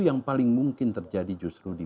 yang paling mungkin terjadi justru di